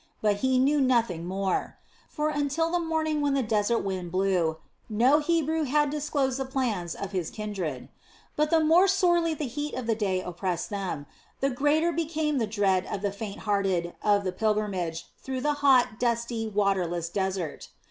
But he knew nothing more; for until the morning when the desert wind blew, no Hebrew had disclosed the plans of his kindred. But the more sorely the heat of the day oppressed them, the greater became the dread of the faint hearted of the pilgrimage through the hot, dusty, waterless desert.